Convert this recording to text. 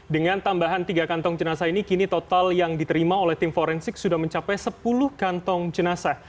dengan tambahan tiga kantong jenazah ini kini total yang diterima oleh tim forensik sudah mencapai sepuluh kantong jenazah